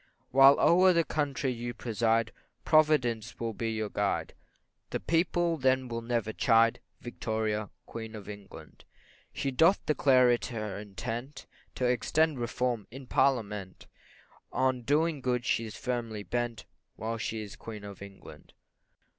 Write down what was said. While o'er the country you preside, Providence will be your guide, The people then will never chide, Victoria, Queen of England. She doth declare it her intent To extend reform in parliament, On doing good she's firmly bent, While she is Queen of England.